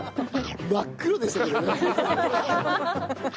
真っ黒でしたけどね。